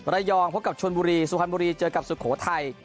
ระยองพบกับชนบุรีสุพรรณบุรีเจอกับสุโขทัย